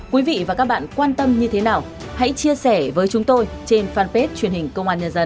quý vị và các bạn quan tâm như thế nào hãy chia sẻ với chúng tôi trên fanpage truyền hình công an nhân dân